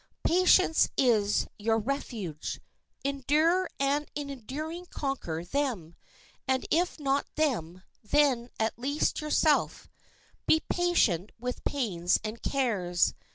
Patience is your refuge. Endure, and in enduring conquer them; and if not them, then at least yourself. Be patient with pains and cares.